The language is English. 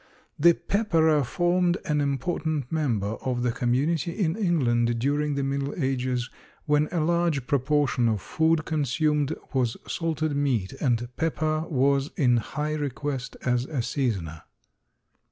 The pepperer formed an important member of the community in England during the Middle Ages, when a large proportion of food consumed was salted meat, and pepper was in high request as a seasoner.